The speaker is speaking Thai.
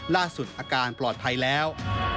ล่าสุดอาการปลอดภัยแล้ว